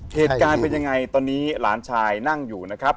เหตุการณ์เป็นยังไงตอนนี้หลานชายนั่งอยู่นะครับ